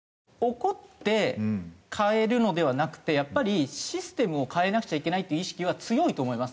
怒って変えるのではなくてやっぱりシステムを変えなくちゃいけないっていう意識は強いと思います。